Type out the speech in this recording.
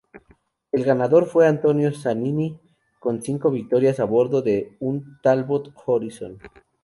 El ganador fue Antonio Zanini con cinco victorias a bordo de un Talbot Horizon.